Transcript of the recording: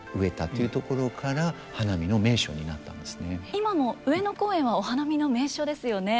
今も上野公園はお花見の名所ですよね。